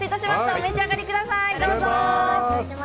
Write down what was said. お召し上がりください。